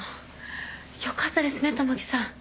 よかったですねたまきさん。